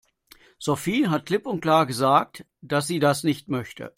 Sophie hat klipp und klar gesagt, dass sie das nicht möchte.